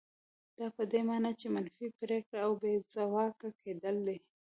دا په دې مانا چې منفي پرېکړه او بې ځواکه کېدل دي.